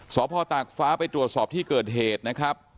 สพตากฟ้าไปตรวจสอบที่เกิดเหตุนะครับ